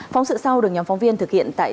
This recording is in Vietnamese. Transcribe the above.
phóng sự sau được nhóm phóng viên thực hiện tại